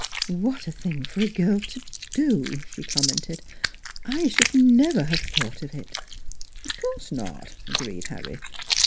" What a thing for a girl to do !" she commented. " I should never have thought of it" " Of course not," agreed Harry.